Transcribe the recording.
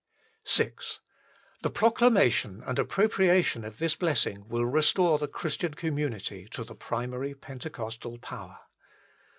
HOW IT IS TO BE TAUGHT 17 VI The proclamation and appropriation of this blessing will restore the Christian community to the primary Pentecostal power.